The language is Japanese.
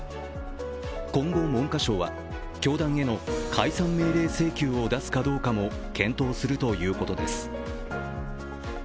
今後、文科省は教団への解散命令請求を出すかどうかも検討するということです。